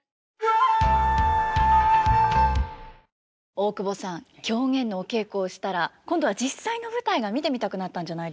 大久保さん狂言のお稽古をしたら今度は実際の舞台が見てみたくなったんじゃないですか？